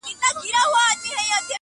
زۀ فنکاري کوم اشنا کاریګري نۀ کوم